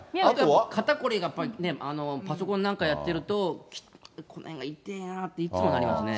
肩こりがやっぱりね、パソコンなんかやってると、この辺がいてぇなって、いつもなりますね。